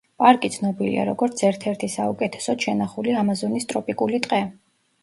პარკი ცნობილია როგორც ერთ-ერთი საუკეთესოდ შენახული ამაზონის ტროპიკული ტყე.